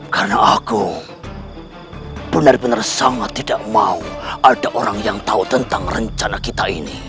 karena aku benar benar sangat tidak mau ada orang yang tahu tentang rencana kita ini